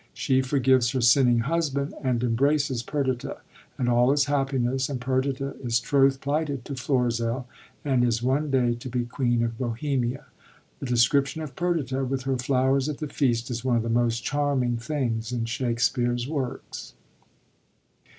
She forgives her sinning husband, and embraces Perdita; and all is happiness, and Perdita is troth plighted to Florizel, and is one day to be queen of Bohemia. The description of Perdita with her flowers at the feast is one of the most charming things in Shakspere*s works.